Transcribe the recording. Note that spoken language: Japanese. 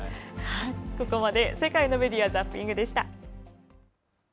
ここまで世界のメディア・ザッピングでした。